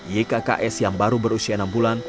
ykks yang baru berusia enam bulan